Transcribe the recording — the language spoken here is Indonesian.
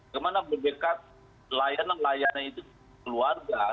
kemana berdekat layanan layanan itu keluarga